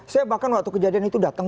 saya bahkan waktu kejadian itu datang